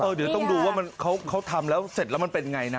เดี๋ยวต้องดูว่าเขาทำแล้วเสร็จแล้วมันเป็นไงนะ